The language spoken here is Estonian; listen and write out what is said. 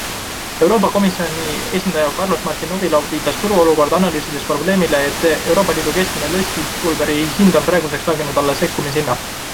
Euroopa Komisjoni esindaja Carlos Martin Ovilo viitas turuolukorda analüüsides probleemile, et ELi keskmine lõssipulbri hind on praeguseks langenud alla sekkumishinna.